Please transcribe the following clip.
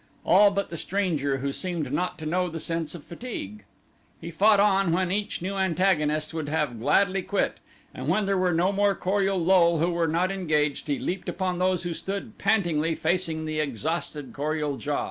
All but the stranger who seemed not to know the sense of fatigue. He fought on when each new antagonist would have gladly quit, and when there were no more Kor ul lul who were not engaged, he leaped upon those who stood pantingly facing the exhausted Kor ul JA.